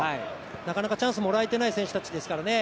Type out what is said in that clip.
なかなかチャンスもらえてない選手たちですからね